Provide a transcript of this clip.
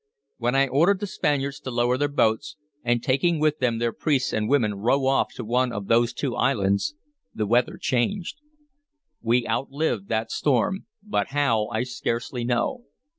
When I ordered the Spaniards to lower their boats, and taking with them their priests and women row off to one of those two islands, the weather changed. We outlived that storm, but how I scarcely know.